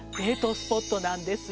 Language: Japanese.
スポットなんですよ。